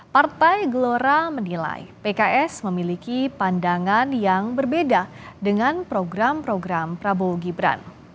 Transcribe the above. partai gelora menilai pks memiliki pandangan yang berbeda dengan program program prabowo gibran